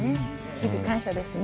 日々感謝ですね。